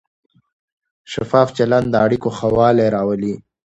شفاف چلند د اړیکو ښه والی راولي.